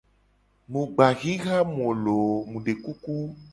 Mu gba xixa mu lo o mu de kuku.